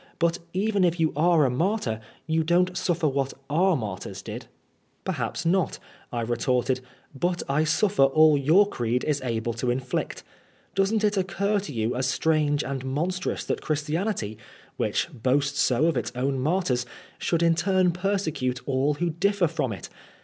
But even if you are a martyr, you don't suffer what our martyrs did." PAB80N FLAFOSD. 145 "Perhapfl not^" I retorted, "but I suffer all your creed is able to inflict Doesn't it occur to you as strange and monstrous that Christianity^ which boasts so of its own martyrs, should in turn persecute all who differ from it